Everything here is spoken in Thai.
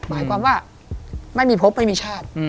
หมายความว่าไม่มีพบไม่มีชาติ